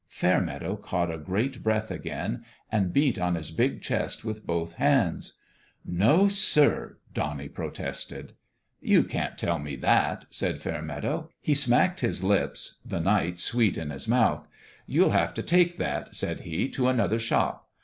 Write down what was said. Fairmeadow caught a great breath again and beat on his big chest with both hands. " No, sir I " Donnie protested. "You can't tell me that," said Fairmeadow. He smacked his lips the night sweet in his mouth. "You'll have to take that," said he, "to another shop.